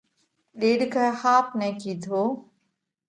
ڏيڏڪئہ ۿاپ نئہ ڪِيڌو: